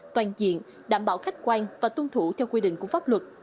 toàn diện đảm bảo khách quan và tuân thủ theo quy định của pháp luật